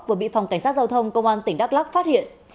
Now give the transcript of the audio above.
vừa bị phòng cảnh sát giao thông công an tỉnh đắk lắc phát hiện